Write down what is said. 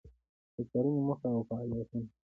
د څارنې موخه او فعالیتونه: